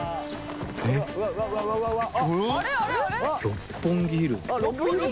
六本木ヒルズ。